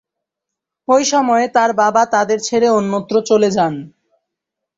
ঐ সময়ে তার বাবা তাদের ছেড়ে অন্যত্র চলে যান।